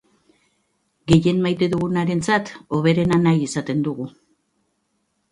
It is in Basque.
Gehien maite dugunarentzat hoberena nahi izaten dugu.